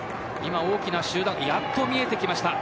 大きな集団やっと見えてきました。